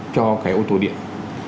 cho cái ô tô điện này